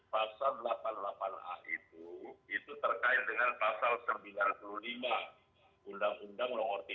pasal delapan puluh delapan a itu itu terkait dengan pasal sembilan puluh lima undang undang nomor tiga puluh